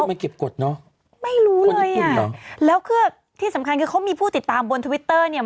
ไม่เก็บกฎเนอะไม่รู้เลยอ่ะแล้วคือที่สำคัญคือเขามีผู้ติดตามบนทวิตเตอร์เนี่ย